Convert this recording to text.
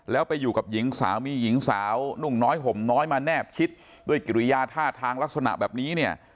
แล้วไปอยู่กับหญิงสามีหญิงสาวนุ่งน้อยห่มน้อยมาแนบชิดด้วยกิริยาท่าทางลักษณะแบบนี้เนี่ย